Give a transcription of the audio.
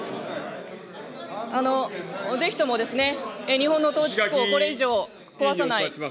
ぜひともですね、日本の統治機構をこれ以上、壊さない。